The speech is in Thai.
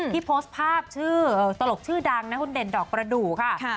โพสต์ภาพชื่อตลกชื่อดังนะคุณเด่นดอกประดูกค่ะ